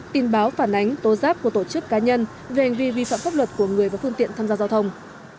tin báo phản ánh tố giác của tổ chức cá nhân về hành vi vi phạm pháp luật của người và phương tiện tham gia giao thông